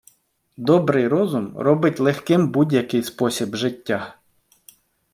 Добрий розум, робить легким будь-який спосіб життя.